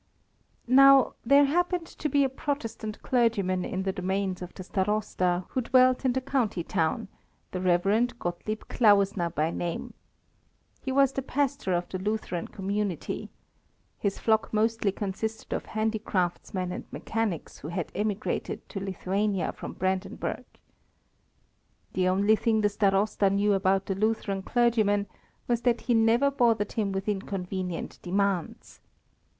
Now, there happened to be a Protestant clergyman in the domains of the Starosta who dwelt in the county town, the Rev. Gottlieb Klausner by name. He was the pastor of the Lutheran community. His flock mostly consisted of handicraftsmen and mechanics who had emigrated to Lithuania from Brandenburg. The only thing the Starosta knew about the Lutheran clergyman was that he never bothered him with inconvenient demands.